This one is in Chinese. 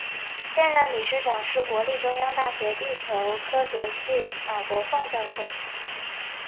现任理事长是国立中央大学地球科学系马国凤教授。